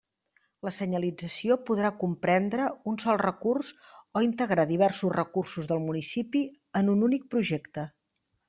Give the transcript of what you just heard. La senyalització podrà comprendre un sol recurs o integrar diversos recursos del municipi en un únic projecte.